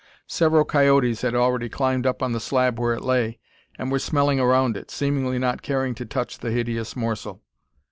Several coyotes had already climbed up on the slab where it lay, and were smelling around it, seemingly not caring to touch the hideous morsel.